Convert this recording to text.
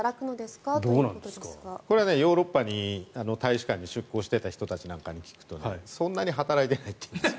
これはヨーロッパの大使館に出向していた人の話を聞くとそんなに働いてないっていうんです。